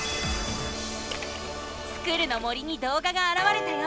スクる！の森にどうががあらわれたよ！